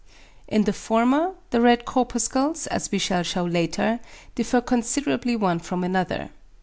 In the former the red corpuscles, as we shall shew later, differ considerably one from another.